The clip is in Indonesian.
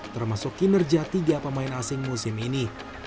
termasuk kinerja tiga pemain asing musim ini